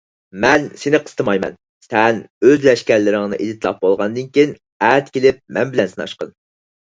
مەن سېنى قىستىمايمەن. سەن ئۆز لەشكەرلىرىڭنى ئېدىتلاپ بولغاندىن كېيىن، ئەتە كېلىپ مەن بىلەن سىناشقىن.